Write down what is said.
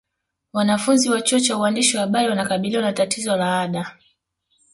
Wanafunzi wa chuo cha uandishi wa habari wanakabiliwa na tatizo la ada